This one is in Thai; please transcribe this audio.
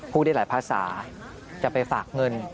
ได้หลายภาษาจะไปฝากเงิน